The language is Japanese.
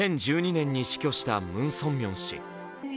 ２０１２年に死去したムン・ソンミョン氏。